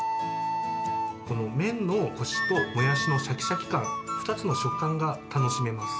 この麺のこしともやしのしゃきしゃき感、２つの食感が楽しめます。